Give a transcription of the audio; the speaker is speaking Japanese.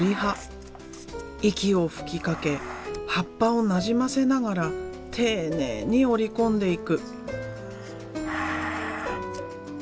息を吹きかけ葉っぱをなじませながら丁寧に折り込んでいく。